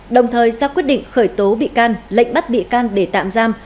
đồng thời ra quyết định khởi tố bị can lệnh bắt bị can để tạm giam